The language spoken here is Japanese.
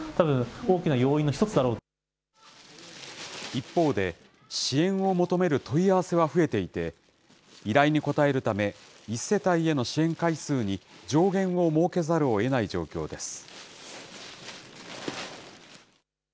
一方で、支援を求める問い合わせは増えていて、依頼に応えるため、１世帯への支援回数に、上限を設けざるをえない状況です。